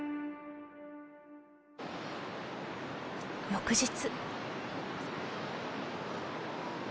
翌日。